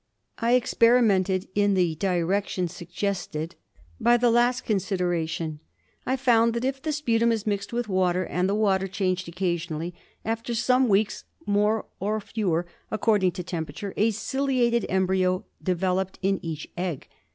I experi mented in the direction suggested by the last considera tion. I found that if the sputum is mixed with water and the water changed occasionally, after some weeks, more or fewer according to temperature, a ciliated embryo developed in each egg.